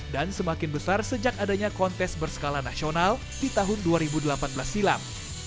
dan semakin besar sejak adanya kontes berskala nasional di tahun dua ribu delapan belas silam